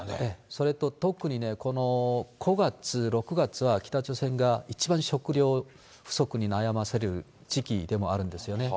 それと特にね、この５月、６月は北朝鮮が一番食料不足に悩まされる時期でもあるんですよね。